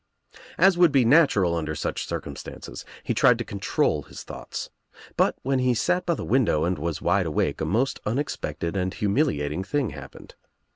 As would be natural under such circumstances, he tried to control his thoughts, but when he sat by the window and was wide awake a most unexpected and humiliating thing happened.